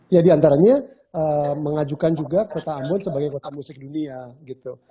ya diantaranya mengajukan juga kota ambon sebagai kota musik dunia gitu